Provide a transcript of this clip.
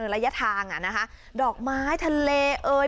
ระยะทางอ่ะนะคะดอกไม้ทะเลเอ่ย